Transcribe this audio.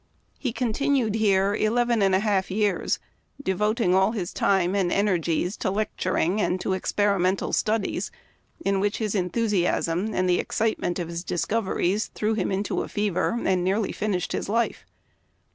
He continued here eleven and a half years, de voting all his time and energies to lecturing and to experi mental studies, in which his enthusiasm and the excitement of his discoveries threw him into a fever and nearly finished his life.